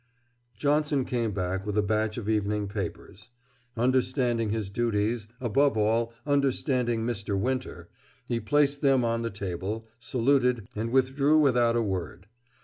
Johnson came back with a batch of evening papers. Understanding his duties above all, understanding Mr. Winter he placed them on the table, saluted, and withdrew without a word.